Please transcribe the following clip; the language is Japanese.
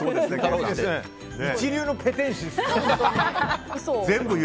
一流のペテン師ですね。